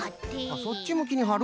あっそっちむきにはる。